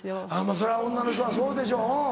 そりゃ女の人はそうでしょううん。